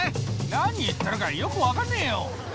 何言ってるかよく分かんねえよ。